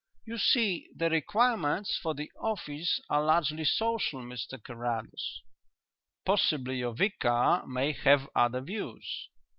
You see, the requirements for the office are largely social, Mr Carrados." "Possibly your vicar may have other views."